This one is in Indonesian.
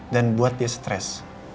dan buat dia stress